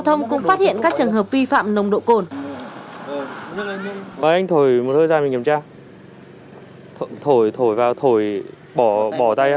hôm nay con vụ nhiều quá con nhiệt tình quá em thêm một chén rượu đây